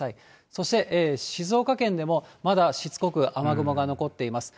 そして静岡県でも、まだしつこく雨雲が残っています。